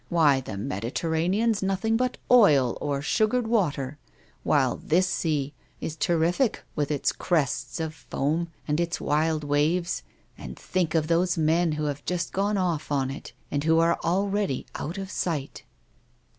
"Why, the Mediterranean's nothing but oil or sugared water, while this sea is terrific with its crests of foam and its wild waves. And think of those men who have just gone ofi' on it, and who are already out of siglit."